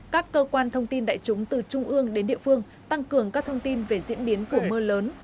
các cơ quan thông tin đại chúng từ trung ương đến địa phương tăng cường các thông tin về diễn biến của mưa lớn